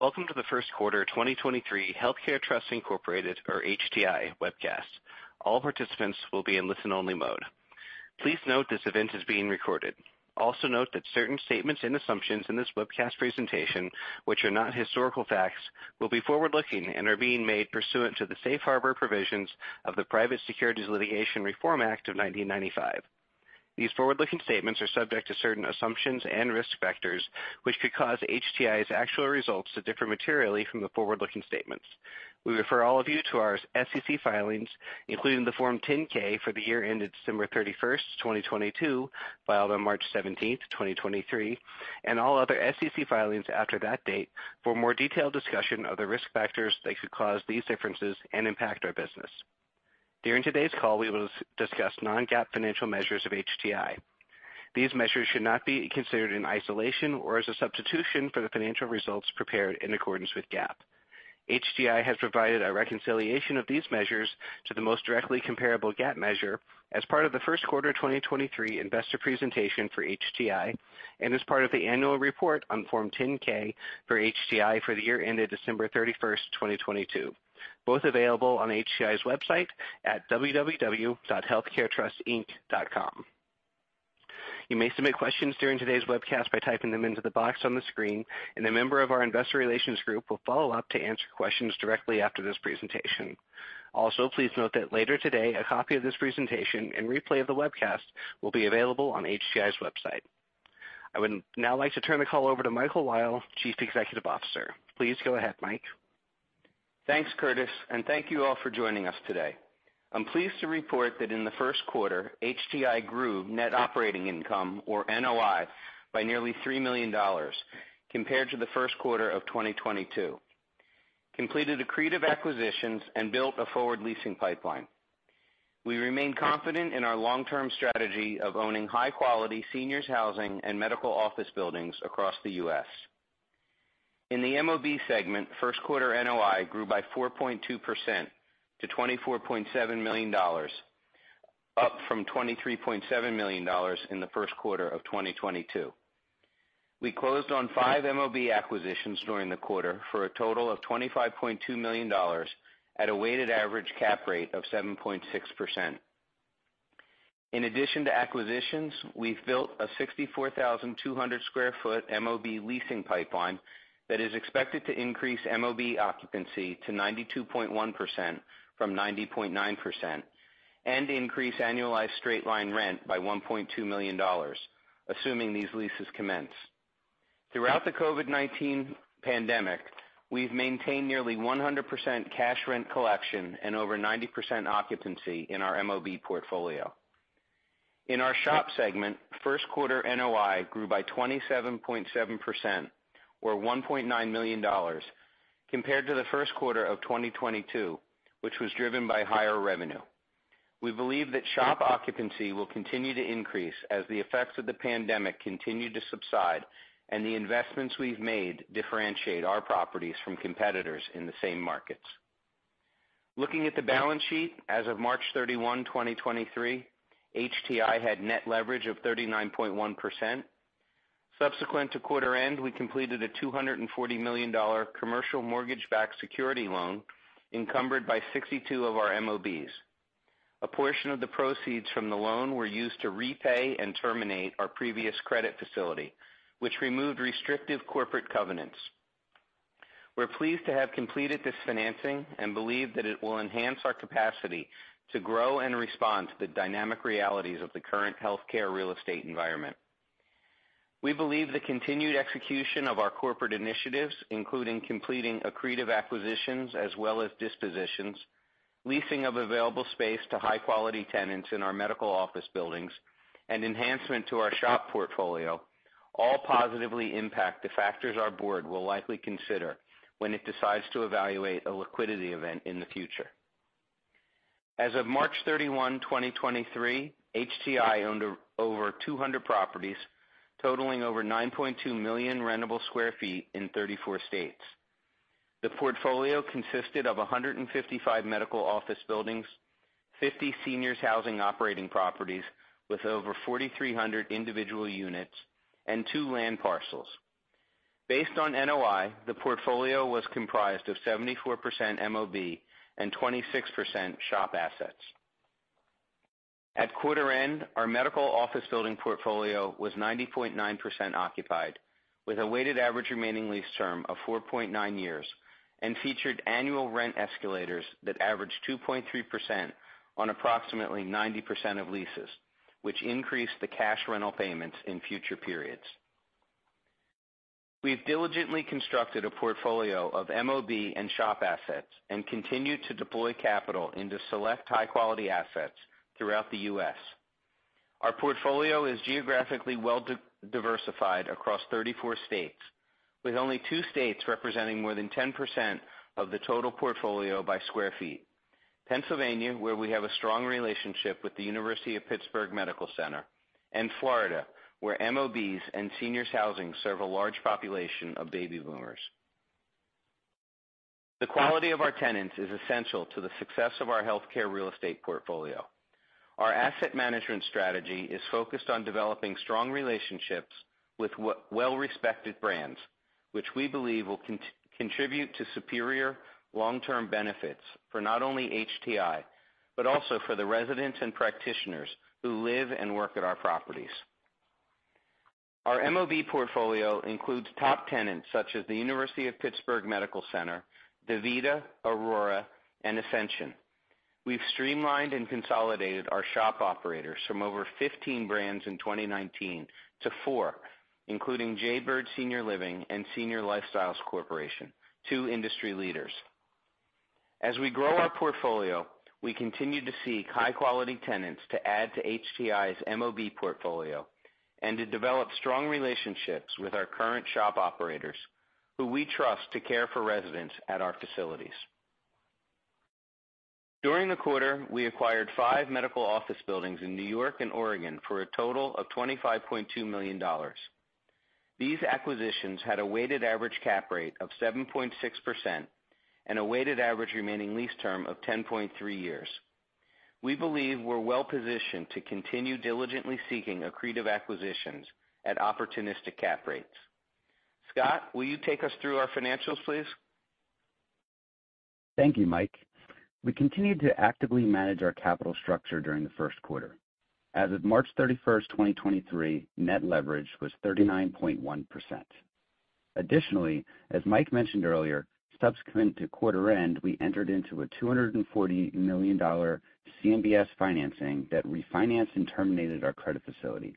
Welcome to the First Quarter 2023 Healthcare Trust, Inc., or HTI, Webcast. All participants will be in listen only mode. Please note this event is being recorded. Note that certain statements and assumptions in this webcast presentation, which are not historical facts, will be forward-looking and are being made pursuant to the safe harbor provisions of the Private Securities Litigation Reform Act of 1995. These forward-looking statements are subject to certain assumptions and risk factors, which could cause HTI's actual results to differ materially from the forward-looking statements. We refer all of you to our SEC filings, including the Form 10-K for the year ended December 31st, 2022, filed on March 17th, 2023, and all other SEC filings after that date for a more detailed discussion of the risk factors that could cause these differences and impact our business. During today's call, we will discuss non-GAAP financial measures of HTI. These measures should not be considered in isolation or as a substitution for the financial results prepared in accordance with GAAP. HTI has provided a reconciliation of these measures to the most directly comparable GAAP measure as part of the first quarter 2023 investor presentation for HTI, and as part of the annual report on Form 10-K for HTI for the year ended December 31st, 2022, both available on HTI's website at www.healthcaretrustinc.com. You may submit questions during today's webcast by typing them into the box on the screen, and a member of our investor relations group will follow up to answer questions directly after this presentation. Please note that later today, a copy of this presentation and replay of the webcast will be available on HTI's website. I would now like to turn the call over to Michael Weil, Chief Executive Officer. Please go ahead, Mike. Thanks, Curtis. Thank you all for joining us today. I'm pleased to report that in the first quarter, HTI grew net operating income, or NOI, by nearly $3 million compared to the first quarter of 2022, completed accretive acquisitions, and built a forward leasing pipeline. We remain confident in our long-term strategy of owning high-quality seniors housing and medical office buildings across the U.S. In the MOB segment, first quarter NOI grew by 4.2% to $24.7 million, up from $23.7 million in the first quarter of 2022. We closed on five MOB acquisitions during the quarter for a total of $25.2 million at a weighted average cap rate of 7.6%. In addition to acquisitions, we've built a 64,200 sq ft MOB leasing pipeline that is expected to increase MOB occupancy to 92.1% from 90.9%, and increase annualized straight-line rent by $1.2 million, assuming these leases commence. Throughout the COVID-19 pandemic, we've maintained nearly 100% cash rent collection and over 90% occupancy in our MOB portfolio. In our SHOP segment, first quarter NOI grew by 27.7%, or $1.9 million, compared to the first quarter of 2022, which was driven by higher revenue. We believe that SHOP occupancy will continue to increase as the effects of the pandemic continue to subside and the investments we've made differentiate our properties from competitors in the same markets. Looking at the balance sheet as of March 31, 2023, HTI had net leverage of 39.1%. Subsequent to quarter end, we completed a $240 million commercial mortgage-backed security loan encumbered by 62 of our MOBs. A portion of the proceeds from the loan were used to repay and terminate our previous credit facility, which removed restrictive corporate covenants. We're pleased to have completed this financing and believe that it will enhance our capacity to grow and respond to the dynamic realities of the current healthcare real estate environment. We believe the continued execution of our corporate initiatives, including completing accretive acquisitions as well as dispositions, leasing of available space to high-quality tenants in our medical office buildings, and enhancement to our SHOP portfolio, all positively impact the factors our board will likely consider when it decides to evaluate a liquidity event in the future. As of March 31, 2023, HTI owned over 200 properties, totaling over 9.2 million rentable square feet in 34 states. The portfolio consisted of 155 medical office buildings, 50 seniors housing operating properties with over 4,300 individual units, and two land parcels. Based on NOI, the portfolio was comprised of 74% MOB and 26% SHOP assets. At quarter end, our medical office building portfolio was 90.9% occupied with a weighted average remaining lease term of 4.9 years, and featured annual rent escalators that averaged 2.3% on approximately 90% of leases, which increased the cash rental payments in future periods. We've diligently constructed a portfolio of MOB and SHOP assets and continue to deploy capital into select high-quality assets throughout the U.S. Our portfolio is geographically well-diversified across 34 states, with only two states representing more than 10% of the total portfolio by square feet. Pennsylvania, where we have a strong relationship with the University of Pittsburgh Medical Center, and Florida, where MOBs and seniors housing serve a large population of baby boomers. The quality of our tenants is essential to the success of our healthcare real estate portfolio. Our asset management strategy is focused on developing strong relationships with well-respected brands, which we believe will contribute to superior long-term benefits for not only HTI, but also for the residents and practitioners who live and work at our properties. Our MOB portfolio includes top tenants such as the University of Pittsburgh Medical Center, DaVita, Aurora, and Ascension. We've streamlined and consolidated our SHOP operators from over 15 brands in 2019 to four, including Jaybird Senior Living and Senior Lifestyle Corporation, two industry leaders. As we grow our portfolio, we continue to seek high-quality tenants to add to HTI's MOB portfolio and to develop strong relationships with our current SHOP operators, who we trust to care for residents at our facilities. During the quarter, we acquired five medical office buildings in New York and Oregon for a total of $25.2 million. These acquisitions had a weighted average cap rate of 7.6% and a weighted average remaining lease term of 10.3 years. We believe we're well-positioned to continue diligently seeking accretive acquisitions at opportunistic cap rates. Scott, will you take us through our financials, please? Thank you, Mike. We continued to actively manage our capital structure during the first quarter. As of March 31st, 2023, net leverage was 39.1%. Additionally, as Mike mentioned earlier, subsequent to quarter end, we entered into a $240 million CMBS financing that refinanced and terminated our credit facility,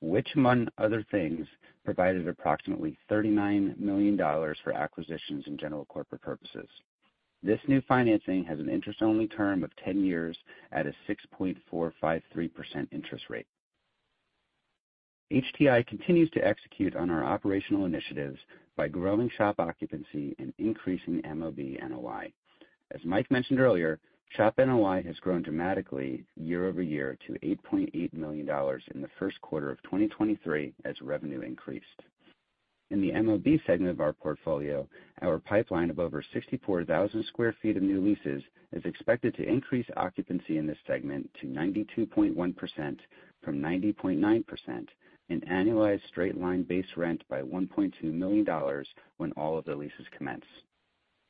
which, among other things, provided approximately $39 million for acquisitions and general corporate purposes. This new financing has an interest-only term of 10 years at a 6.453% interest rate. HTI continues to execute on our operational initiatives by growing SHOP occupancy and increasing MOB NOI. As Mike mentioned earlier, SHOP NOI has grown dramatically year over year to $8.8 million in the first quarter of 2023 as revenue increased. In the MOB segment of our portfolio, our pipeline of over 64,000 sq ft of new leases is expected to increase occupancy in this segment to 92.1% from 90.9%, and annualized straight line base rent by $1.2 million when all of the leases commence.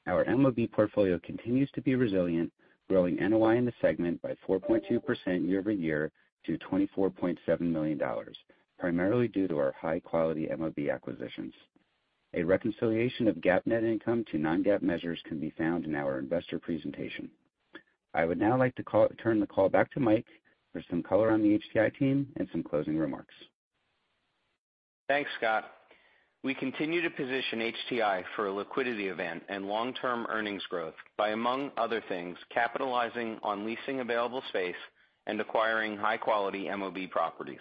Our MOB portfolio continues to be resilient, growing NOI in the segment by 4.2% year-over-year to $24.7 million, primarily due to our high-quality MOB acquisitions. A reconciliation of GAAP net income to non-GAAP measures can be found in our investor presentation. I would now like to turn the call back to Mike for some color on the HTI team and some closing remarks. Thanks, Scott. We continue to position HTI for a liquidity event and long-term earnings growth by, among other things, capitalizing on leasing available space and acquiring high-quality MOB properties.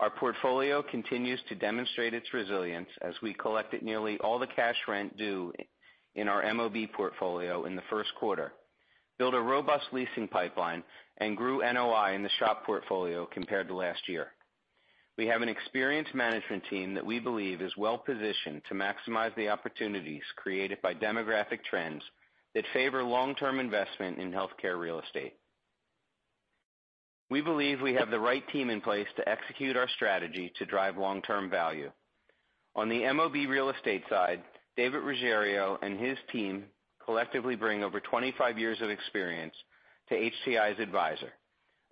Our portfolio continues to demonstrate its resilience as we collected nearly all the cash rent due in our MOB portfolio in the first quarter, built a robust leasing pipeline, and grew NOI in the SHOP portfolio compared to last year. We have an experienced management team that we believe is well-positioned to maximize the opportunities created by demographic trends that favor long-term investment in healthcare real estate. We believe we have the right team in place to execute our strategy to drive long-term value. On the MOB real estate side, David Ruggiero and his team collectively bring over 25 years of experience to HTI's advisor,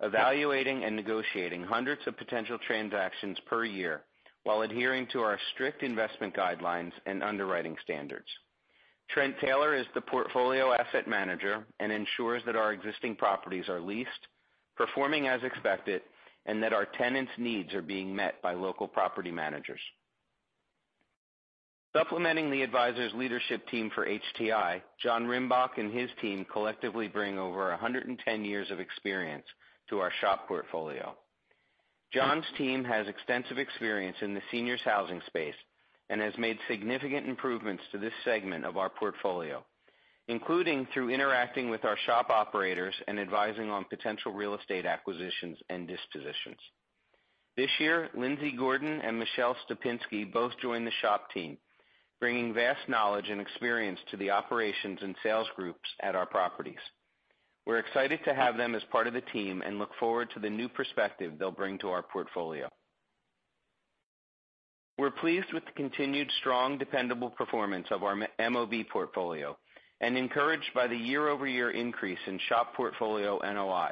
evaluating and negotiating hundreds of potential transactions per year while adhering to our strict investment guidelines and underwriting standards. Trent Taylor is the portfolio asset manager and ensures that our existing properties are leased, performing as expected, and that our tenants' needs are being met by local property managers. Supplementing the advisor's leadership team for HTI, John Rimbach and his team collectively bring over 110 years of experience to our SHOP portfolio. John's team has extensive experience in the seniors housing space and has made significant improvements to this segment of our portfolio, including through interacting with our SHOP operators and advising on potential real estate acquisitions and dispositions. This year, Lindsay Gordon and Michelle Stepinsky both joined the SHOP team, bringing vast knowledge and experience to the operations and sales groups at our properties. We're excited to have them as part of the team and look forward to the new perspective they'll bring to our portfolio. We're pleased with the continued strong, dependable performance of our MOB portfolio and encouraged by the year-over-year increase in SHOP portfolio NOI,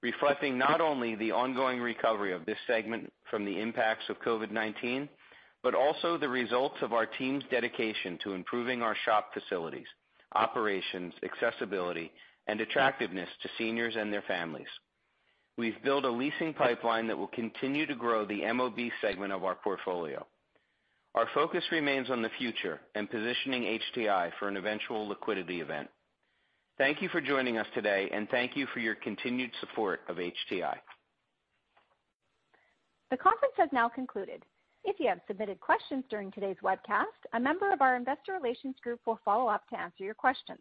reflecting not only the ongoing recovery of this segment from the impacts of COVID-19, but also the results of our team's dedication to improving our SHOP facilities, operations, accessibility, and attractiveness to seniors and their families. We've built a leasing pipeline that will continue to grow the MOB segment of our portfolio. Our focus remains on the future and positioning HTI for an eventual liquidity event. Thank you for joining us today, and thank you for your continued support of HTI. The conference has now concluded. If you have submitted questions during today's webcast, a member of our investor relations group will follow up to answer your questions.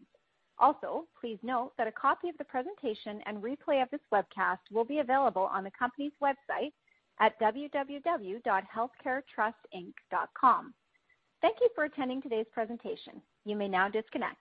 Also, please note that a copy of the presentation and replay of this webcast will be available on the company's website at www.healthcaretrustinc.com. Thank you for attending today's presentation. You may now disconnect.